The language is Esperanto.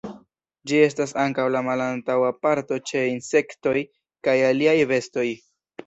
Ĝi estas ankaŭ la malantaŭa parto ĉe insektoj kaj aliaj bestoj.